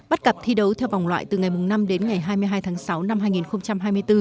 bắt cặp thi đấu theo vòng loại từ ngày năm đến ngày hai mươi hai tháng sáu năm hai nghìn hai mươi bốn